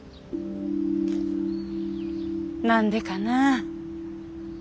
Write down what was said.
何でかな。